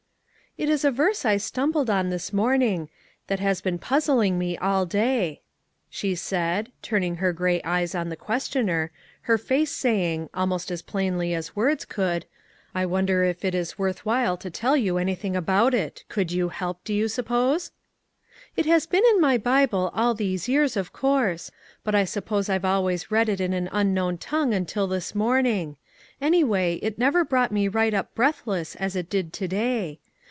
"It is a verse I stumbled on this morn ing, that has been puzzling me all day," she said, turning her gray eyes on the questioner, her face saying, almost as plainly as words could: I wonder if it is worth 90 SHALL \VE TRY? QI while to tell you anything about it? Could you help, do you suppose? "It has been in my Bible all these years, of course ; but I sup pose I've always read it in an unknown tongue until this morning ; anyway, it never brought me right up breathless as it did to day.